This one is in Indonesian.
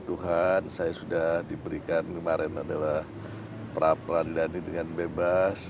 tuhan saya sudah diberikan kemarin adalah peran peran diadani dengan bebas